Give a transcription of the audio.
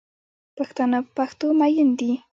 پښتانه په پښتو میین دی